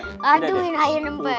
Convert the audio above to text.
aduh ini kaya nembeng